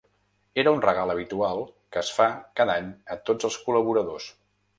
Era un regal habitual, que es fa cada any a tots els col·laboradors.